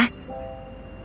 kau yang terbaik flora